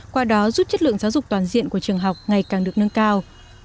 qua đó giúp chất lượng giáo dục toàn diện của trường học ngày càng được nâng cao